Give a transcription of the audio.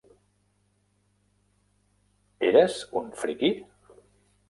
Eres un friqui?